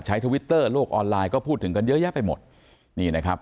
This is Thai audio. ทวิตเตอร์โลกออนไลน์ก็พูดถึงกันเยอะแยะไปหมดนี่นะครับ